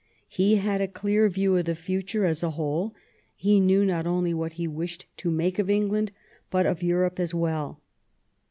He had a clear view of the future as a whole; Jie knew not only what he wished to make of England but of Europe as well.